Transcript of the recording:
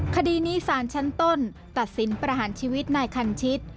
คดีนี้สารชั้นต้นตัดสินประหารชีวิตนายคันชิต